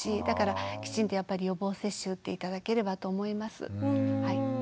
だからきちんとやっぱり予防接種打って頂ければと思います。